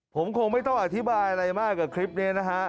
ผมคงไม่ต้องอธิบายอะไรมากกับคลิปนี้นะฮะ